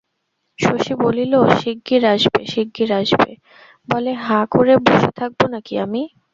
শশী বলিল, শিগগির আসবে শিগগির আসবে বলে হাঁ করে বসে থাকব নাকি আমি?